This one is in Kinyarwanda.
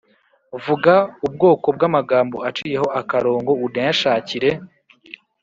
vuga ubwoko bw’amagambo aciyeho akarongo unayashakire